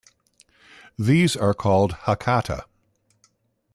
These are called Hakata.